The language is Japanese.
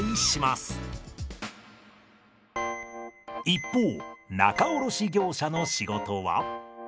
一方仲卸業者の仕事は。